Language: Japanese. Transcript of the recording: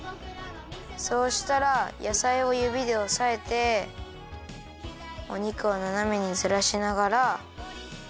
そうしたらやさいをゆびでおさえてお肉をななめにずらしながら。